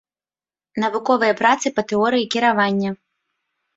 Навуковыя працы па тэорыі кіравання.